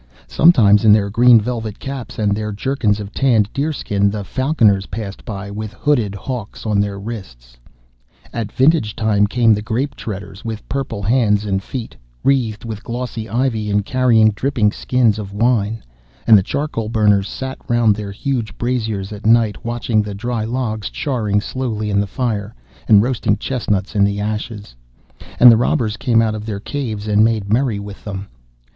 Sometimes in their green velvet caps, and their jerkins of tanned deerskin, the falconers passed by, with hooded hawks on their wrists. At vintage time came the grape treaders, with purple hands and feet, wreathed with glossy ivy and carrying dripping skins of wine; and the charcoal burners sat round their huge braziers at night, watching the dry logs charring slowly in the fire, and roasting chestnuts in the ashes, and the robbers came out of their caves and made merry with them.